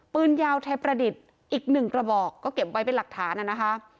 ปืนยาวไทยประดิษฐ์อีกหนึ่งกระบอกก็เก็บไว้เป็นหลักฐานนะคะ